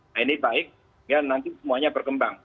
nah ini baik nanti semuanya berkembang